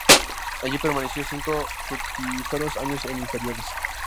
Allí permaneció cinco fructíferos años en inferiores.